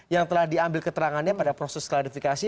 yang telah diambil keterangannya pada proses klarifikasi